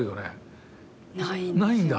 ないんだ！？